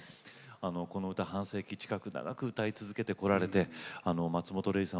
この歌半世紀近く長く歌い続けてこられて松本零士さん